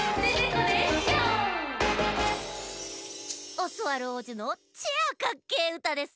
オスワルおうじのチェアカッケーうたです。